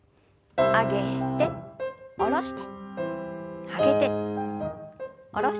上げて下ろして上げて下ろして。